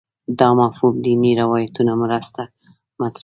دا مفهوم دیني روایتونو مرسته مطرح شو